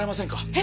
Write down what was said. え？